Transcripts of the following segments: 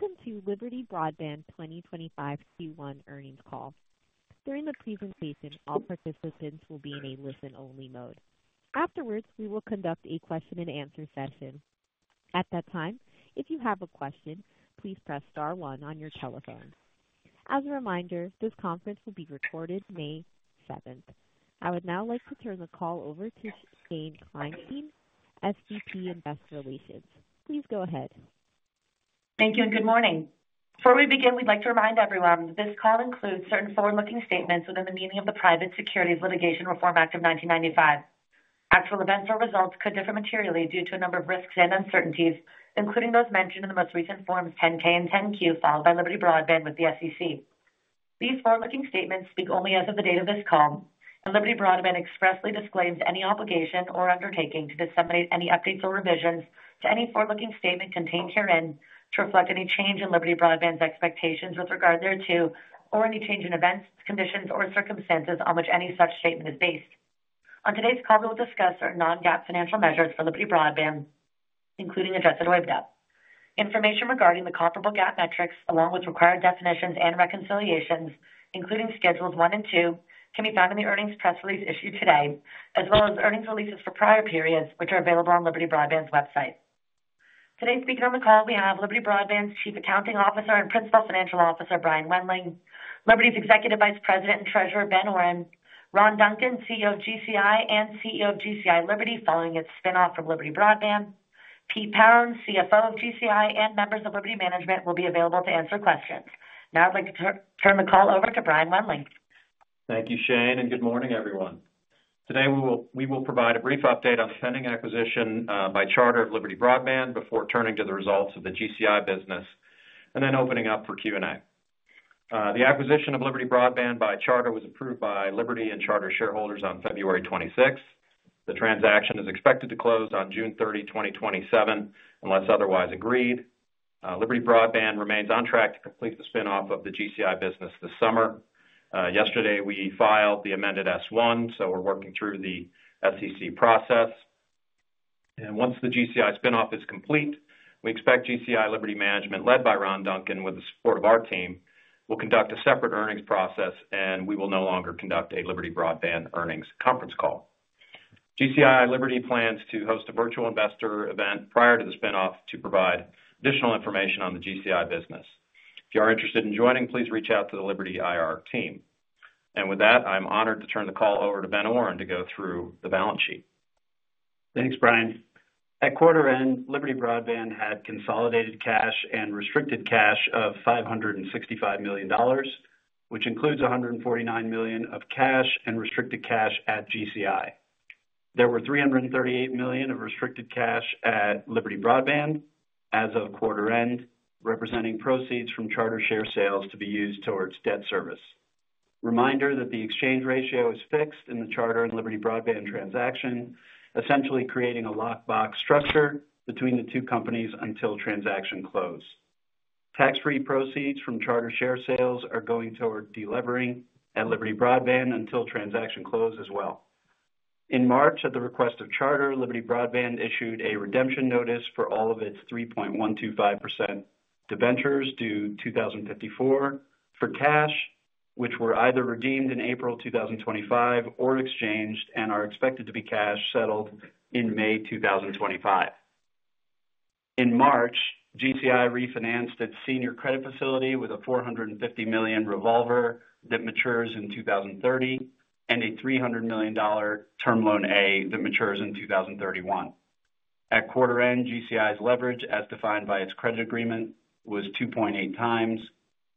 Welcome to Liberty Broadband 2025 Q1 earnings call. During the presentation, all participants will be in a listen-only mode. Afterwards, we will conduct a question-and-answer session. At that time, if you have a question, please press star one on your telephone. As a reminder, this conference will be recorded May 7th. I would now like to turn the call over to Shane Kleinstein, SVP Investor Relations. Please go ahead. Thank you and good morning. Before we begin, we'd like to remind everyone that this call includes certain forward-looking statements within the meaning of the Private Securities Litigation Reform Act of 1995. Actual events or results could differ materially due to a number of risks and uncertainties, including those mentioned in the most recent forms 10-K and 10-Q, filed by Liberty Broadband with the SEC. These forward-looking statements speak only as of the date of this call, and Liberty Broadband expressly disclaims any obligation or undertaking to disseminate any updates or revisions to any forward-looking statement contained herein to reflect any change in Liberty Broadband's expectations with regard thereto, or any change in events, conditions, or circumstances on which any such statement is based. On today's call, we will discuss our non-GAAP financial measures for Liberty Broadband, including adjusted EBITDA. Information regarding the comparable GAAP metrics, along with required definitions and reconciliations, including schedules one and two, can be found in the earnings press release issued today, as well as earnings releases for prior periods, which are available on Liberty Broadband's website. Today, speaking on the call, we have Liberty Broadband's Chief Accounting Officer and Principal Financial Officer, Brian Wendling, Liberty's Executive Vice President and Treasurer, Ben Oren, Ron Duncan, CEO of GCI and CEO of GCI Liberty, following its spinoff from Liberty Broadband. Pete Pounds, CFO of GCI and members of Liberty Management, will be available to answer questions. Now I'd like to turn the call over to Brian Wendling. Thank you, Shane, and good morning, everyone. Today, we will provide a brief update on the pending acquisition by Charter of Liberty Broadband before turning to the results of the GCI business and then opening up for Q&A. The acquisition of Liberty Broadband by Charter was approved by Liberty and Charter shareholders on February 26th. The transaction is expected to close on June 30, 2027, unless otherwise agreed. Liberty Broadband remains on track to complete the spinoff of the GCI business this summer. Yesterday, we filed the amended S-1, so we're working through the SEC process. Once the GCI spinoff is complete, we expect GCI Liberty Management, led by Ron Duncan with the support of our team, will conduct a separate earnings process, and we will no longer conduct a Liberty Broadband earnings conference call. GCI Liberty plans to host a virtual investor event prior to the spinoff to provide additional information on the GCI business. If you are interested in joining, please reach out to the Liberty IR team. I am honored to turn the call over to Ben Oren to go through the balance sheet. Thanks, Brian. At quarter-end, Liberty Broadband had consolidated cash and restricted cash of $565 million, which includes $149 million of cash and restricted cash at GCI. There were $338 million of restricted cash at Liberty Broadband as of quarter-end, representing proceeds from Charter share sales to be used towards debt service. Reminder that the exchange ratio is fixed in the Charter and Liberty Broadband transaction, essentially creating a lockbox structure between the two companies until transaction close. Tax-free proceeds from Charter share sales are going toward delevering at Liberty Broadband until transaction close as well. In March, at the request of Charter, Liberty Broadband issued a redemption notice for all of its 3.125% to ventures due 2054 for cash, which were either redeemed in April 2025 or exchanged and are expected to be cash settled in May 2025. In March, GCI refinanced its senior credit facility with a $450 million revolver that matures in 2030 and a $300 million term loan A that matures in 2031. At quarter-end, GCI's leverage, as defined by its credit agreement, was 2.8 times,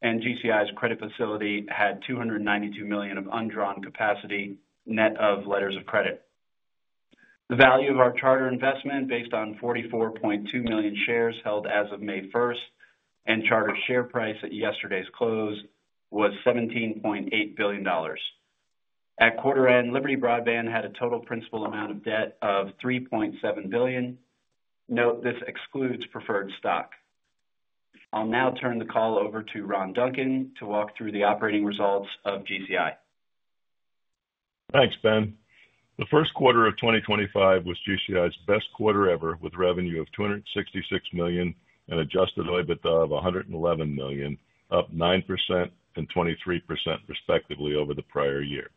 and GCI's credit facility had $292 million of undrawn capacity net of letters of credit. The value of our Charter investment, based on 44.2 million shares held as of May 1st and Charter's share price at yesterday's close, was $17.8 billion. At quarter-end, Liberty Broadband had a total principal amount of debt of $3.7 billion. Note this excludes preferred stock. I'll now turn the call over to Ron Duncan to walk through the operating results of GCI. Thanks, Ben. The first quarter of 2025 was GCI's best quarter ever, with revenue of $266 million and adjusted EBITDA of $111 million, up 9% and 23%, respectively, over the prior year.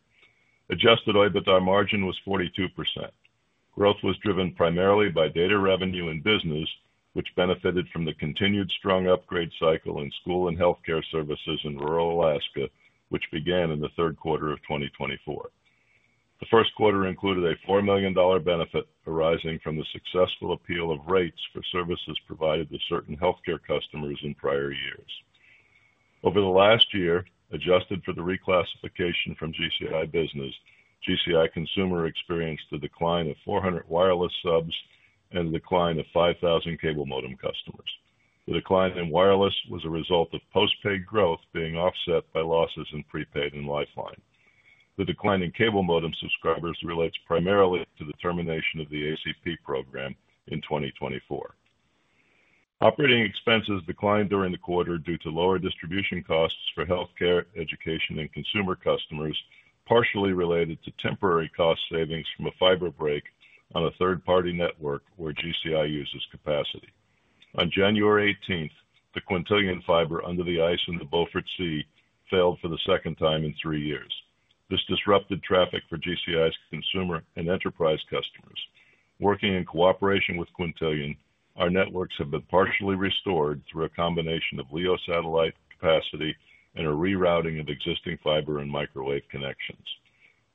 Adjusted EBITDA margin was 42%. Growth was driven primarily by data revenue and business, which benefited from the continued strong upgrade cycle in school and healthcare services in rural Alaska, which began in the third quarter of 2024. The first quarter included a $4 million benefit arising from the successful appeal of rates for services provided to certain healthcare customers in prior years. Over the last year, adjusted for the reclassification from GCI business, GCI consumer experienced a decline of 400 wireless subs and a decline of 5,000 cable modem customers. The decline in wireless was a result of postpaid growth being offset by losses in prepaid and lifeline. The decline in cable modem subscribers relates primarily to the termination of the ACP program in 2024. Operating expenses declined during the quarter due to lower distribution costs for healthcare, education, and consumer customers, partially related to temporary cost savings from a fiber break on a third-party network where GCI uses capacity. On January 18th, the Quintillion fiber under the ice in the Beaufort Sea failed for the second time in three years. This disrupted traffic for GCI's consumer and enterprise customers. Working in cooperation with Quintillion, our networks have been partially restored through a combination of LEO satellite capacity and a rerouting of existing fiber and microwave connections.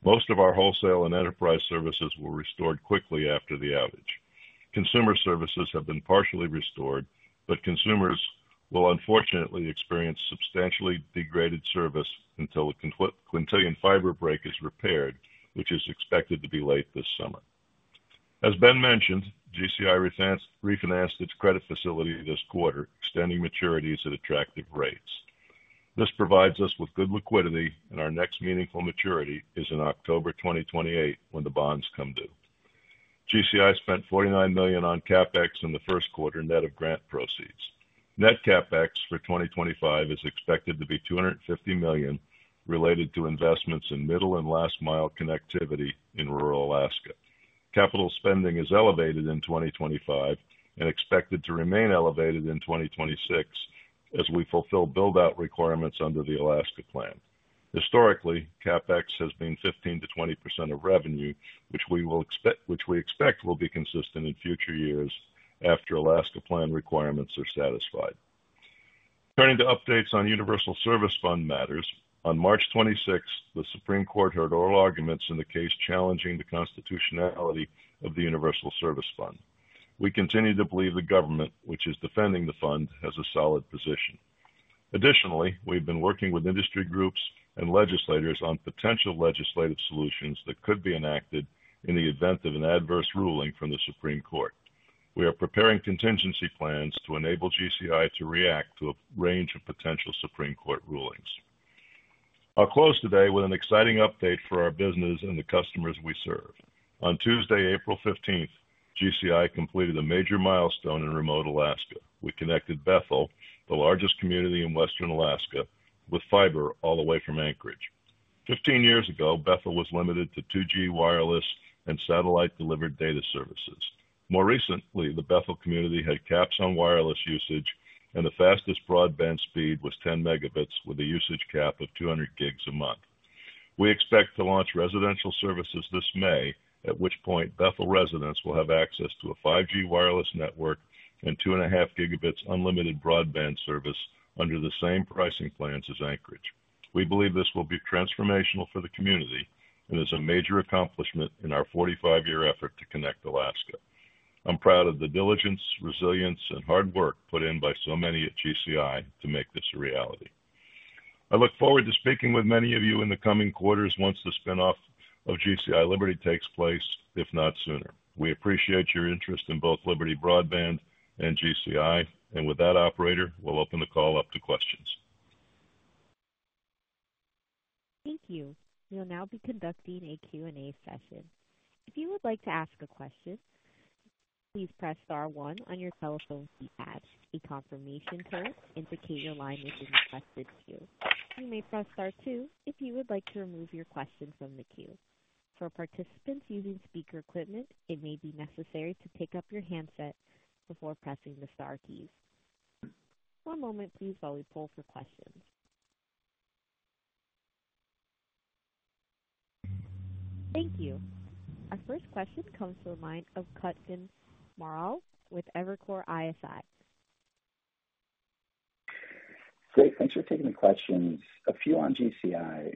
Most of our wholesale and enterprise services were restored quickly after the outage. Consumer services have been partially restored, but consumers will unfortunately experience substantially degraded service until the Quintillion fiber break is repaired, which is expected to be late this summer. As Ben mentioned, GCI refinanced its credit facility this quarter, extending maturities at attractive rates. This provides us with good liquidity, and our next meaningful maturity is in October 2028 when the bonds come due. GCI spent $49 million on CapEx in the first quarter net of grant proceeds. Net CapEx for 2025 is expected to be $250 million related to investments in middle and last-mile connectivity in rural Alaska. Capital spending is elevated in 2025 and expected to remain elevated in 2026 as we fulfill build-out requirements under the Alaska Plan. Historically, CapEx has been 15%-20% of revenue, which we expect will be consistent in future years after Alaska Plan requirements are satisfied. Turning to updates on Universal Service Fund matters, on March 26th, the Supreme Court heard oral arguments in the case challenging the constitutionality of the Universal Service Fund. We continue to believe the government, which is defending the fund, has a solid position. Additionally, we've been working with industry groups and legislators on potential legislative solutions that could be enacted in the event of an adverse ruling from the Supreme Court. We are preparing contingency plans to enable GCI to react to a range of potential Supreme Court rulings. I'll close today with an exciting update for our business and the customers we serve. On Tuesday, April 15th, GCI completed a major milestone in remote Alaska. We connected Bethel, the largest community in western Alaska, with fiber all the way from Anchorage. Fifteen years ago, Bethel was limited to 2G wireless and satellite-delivered data services. More recently, the Bethel community had caps on wireless usage, and the fastest broadband speed was 10 megabits with a usage cap of 200 gigs a month. We expect to launch residential services this May, at which point Bethel residents will have access to a 5G wireless network and 2.5 gigabits unlimited broadband service under the same pricing plans as Anchorage. We believe this will be transformational for the community and is a major accomplishment in our 45-year effort to connect Alaska. I'm proud of the diligence, resilience, and hard work put in by so many at GCI to make this a reality. I look forward to speaking with many of you in the coming quarters once the spinoff of GCI Liberty takes place, if not sooner. We appreciate your interest in both Liberty Broadband and GCI, and with that, operator, we'll open the call up to questions. Thank you. We'll now be conducting a Q&A session. If you would like to ask a question, please press star one on your telephone keypad. A confirmation code indicates your line has been requested to you. You may press star two if you would like to remove your question from the queue. For participants using speaker equipment, it may be necessary to pick up your handset before pressing the star keys. One moment, please, while we pull for questions. Thank you. Our first question comes from the line of Cushing Morrell with Evercore ISI. Great. Thanks for taking the questions. A few on GCI.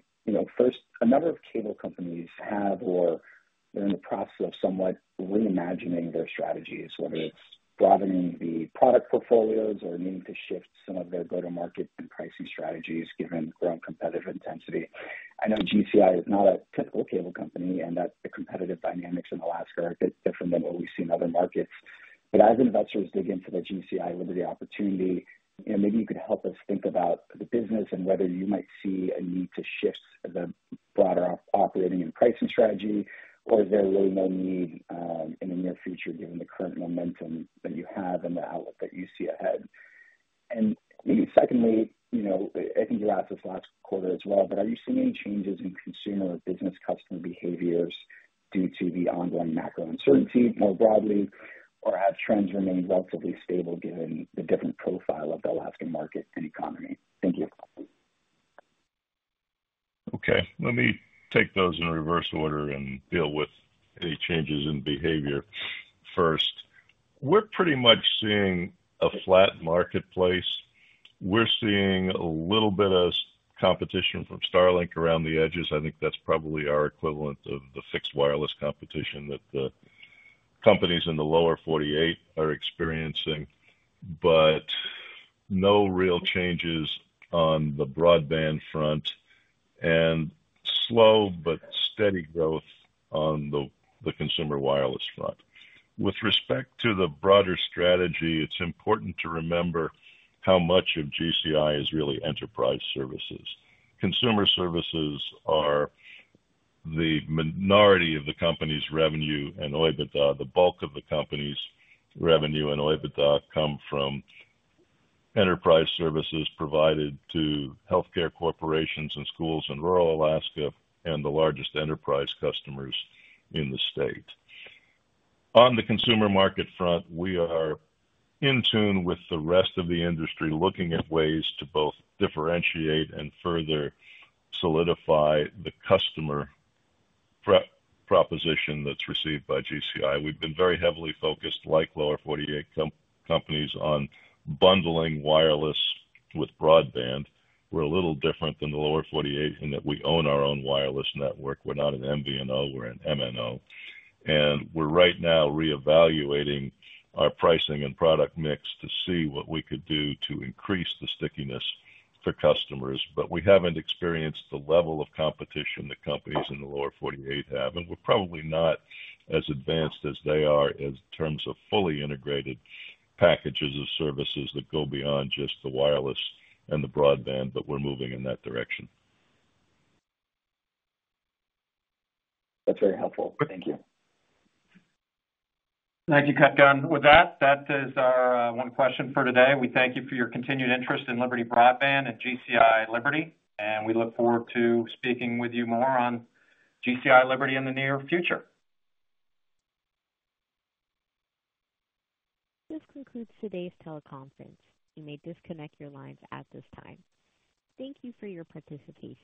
First, a number of cable companies have or are in the process of somewhat reimagining their strategies, whether it's broadening the product portfolios or needing to shift some of their go-to-market and pricing strategies given growing competitive intensity. I know GCI is not a typical cable company and that the competitive dynamics in Alaska are a bit different than what we see in other markets. As investors dig into the GCI Liberty opportunity, maybe you could help us think about the business and whether you might see a need to shift the broader operating and pricing strategy, or is there really no need in the near future given the current momentum that you have and the outlook that you see ahead? I think you asked this last quarter as well, but are you seeing any changes in consumer or business customer behaviors due to the ongoing macro uncertainty more broadly, or have trends remained relatively stable given the different profile of the Alaskan market and economy? Thank you. Okay. Let me take those in reverse order and deal with any changes in behavior. First, we're pretty much seeing a flat marketplace. We're seeing a little bit of competition from Starlink around the edges. I think that's probably our equivalent of the fixed wireless competition that the companies in the lower 48 are experiencing, but no real changes on the broadband front and slow but steady growth on the consumer wireless front. With respect to the broader strategy, it's important to remember how much of GCI is really enterprise services. Consumer services are the minority of the company's revenue, and the bulk of the company's revenue and EBITDA come from enterprise services provided to healthcare corporations and schools in rural Alaska and the largest enterprise customers in the state. On the consumer market front, we are in tune with the rest of the industry, looking at ways to both differentiate and further solidify the customer proposition that's received by GCI. We've been very heavily focused, like lower 48 companies, on bundling wireless with broadband. We're a little different than the lower 48 in that we own our own wireless network. We're not an MVNO; we're an MNO. We are right now reevaluating our pricing and product mix to see what we could do to increase the stickiness for customers. We haven't experienced the level of competition that companies in the lower 48 have, and we're probably not as advanced as they are in terms of fully integrated packages of services that go beyond just the wireless and the broadband, but we're moving in that direction. That's very helpful. Thank you. Thank you, Kutgun. With that, that is our one question for today. We thank you for your continued interest in Liberty Broadband and GCI Liberty, and we look forward to speaking with you more on GCI Liberty in the near future. This concludes today's teleconference. You may disconnect your lines at this time. Thank you for your participation.